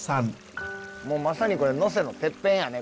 もうまさに能勢のてっぺんやね